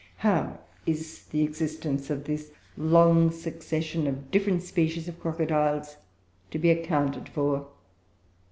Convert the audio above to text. How is the existence of this long succession of different species of crocodiles to be accounted for?